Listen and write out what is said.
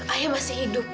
ayah masih hidup